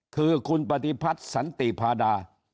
คือคุณปฏิพัฒน์สันติพาดา